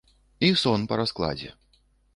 І сон па раскладзе.